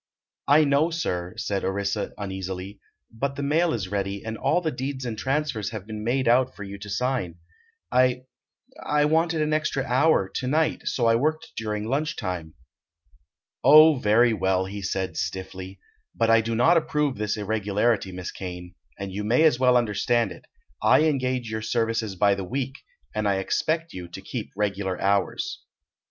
"I know, sir," said Orissa uneasily, "but the mail is ready and all the deeds and transfers have been made out for you to sign. I—I wanted an extra hour, to night, so I worked during lunch time." "Oh; very well," he said, stiffly. "But I do not approve this irregularity, Miss Kane, and you may as well understand it. I engage your services by the week, and expect you to keep regular hours."